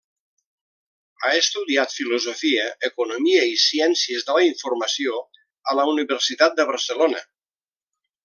Ha estudiat Filosofia, Economia i Ciències de la Informació a la Universitat de Barcelona.